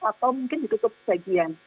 atau mungkin ditutup ke bagian